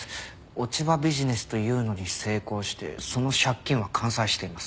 落ち葉ビジネスというのに成功してその借金は完済しています。